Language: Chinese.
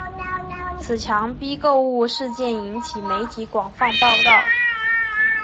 此强逼购物事件引起媒体广泛报道。